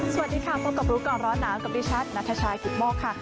สวัสดีค่ะพบกับรู้ก่อนร้อนหนาวกับดิฉันนัทชายกิตโมกค่ะ